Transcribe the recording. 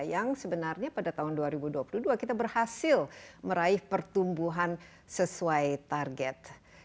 yang sebenarnya pada tahun dua ribu dua puluh dua kita berhasil meraih pertumbuhan sesuai target